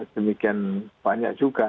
demikian banyak juga